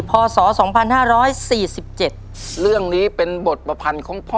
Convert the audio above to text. พศสองพันห้าร้อยสี่สิบเจ็ดเรื่องนี้เป็นบทประพันธ์ของพ่อ